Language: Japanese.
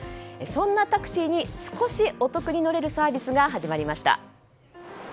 そんなタクシーに少しお得に乗れるサービスが始まりました。